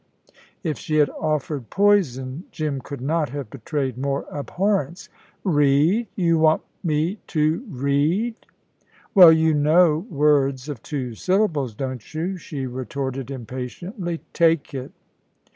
If she had offered poison Jim could not have betrayed more abhorrence. "Read? You want me to read?" "Well, you know words of two syllables, don't you?" she retorted impatiently. "Take it."